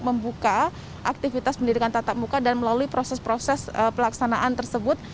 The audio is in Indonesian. membuka aktivitas pendidikan tatap muka dan melalui proses proses pelaksanaan tersebut